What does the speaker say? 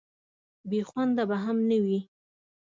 بې خونده به هم نه وي.